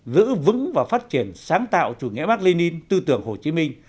giữ vững và phát triển sáng tạo chủ nghĩa mạc lê ninh tư tưởng hồ chí minh